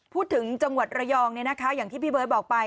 พูดถึงจังหวัดระยองอย่างที่พี่เบิร์ตบอกไป